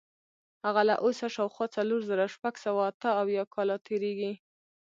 هغه له اوسه شاوخوا څلور زره شپږ سوه اته اویا کاله تېرېږي.